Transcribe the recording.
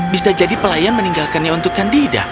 bisa jadi pelayan meninggalkannya untuk candida